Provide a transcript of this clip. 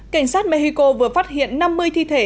cảnh sát mexico vừa phát hiện năm mươi thi thể